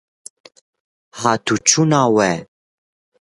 hatûçûna wê